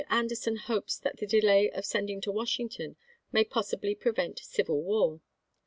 derson hopes that the delay of sending to Wash ington may possibly prevent civil war.